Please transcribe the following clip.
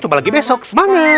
coba lagi besok semangat